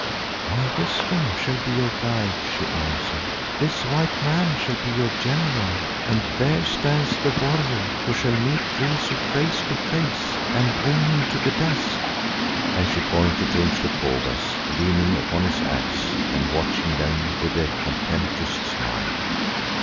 "My wisdom shall be your guide," she answered, "this white man shall be your General and there stands the warrior who shall meet Rezu face to face and bring him to the dust," and she pointed to Umslopogaas leaning upon his axe and watching them with a contemptuous smile.